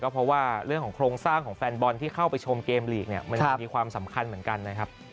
เพราะว่าเรื่องของโครงสร้างของแฟนบอลที่เข้าไปชมเกมลีกเนี่ยมันมีความสำคัญเหมือนกันนะครับ